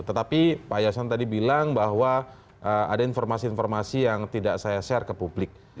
tetapi pak yasan tadi bilang bahwa ada informasi informasi yang tidak saya share ke publik